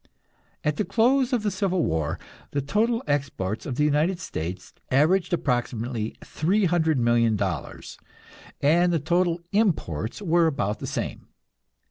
At the close of the Civil War the total exports of the United States averaged approximately $300,000,000, and the total imports were about the same.